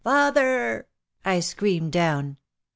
"Father!" I screamed down.